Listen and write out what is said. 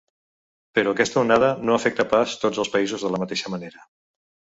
Però aquesta onada no afecta pas tots els països de la mateixa manera.